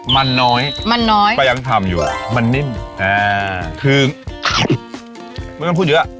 มันน้อยมันน้อยก็ยังทำอยู่อ่ะมันนิ่มอ่าคือไม่ต้องพูดเยอะ